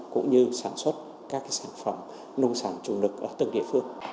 cũng như sản xuất các sản phẩm nông sản chủ lực ở từng địa phương